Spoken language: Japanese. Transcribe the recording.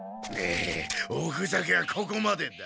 おふざけはここまでだ。